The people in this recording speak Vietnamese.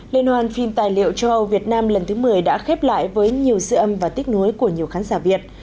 liên hoan phim tài liệu châu âu việt nam lần thứ một mươi đã khép lại với nhiều sự âm và tích nối của nhiều khán giả việt